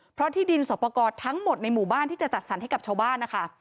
เพราะที่ดินสอบประกอบทั้งหมดในหมู่บ้านที่จะจัดสรรให้กับชาวบ้านนะคะ